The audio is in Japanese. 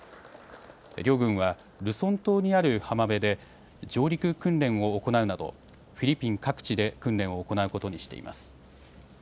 両軍はルソン島にある浜辺で上陸訓練を行うなど、フィリピン各地で訓練を行うことにしています。